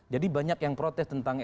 jadi banyak yang protes tentang